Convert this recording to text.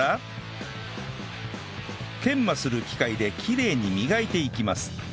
研磨する機械できれいに磨いていきます